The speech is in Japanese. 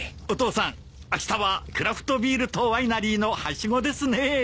お父さんあしたはクラフトビールとワイナリーのはしごですね。